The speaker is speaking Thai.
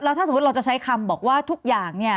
แล้วถ้าสมมุติเราจะใช้คำบอกว่าทุกอย่าง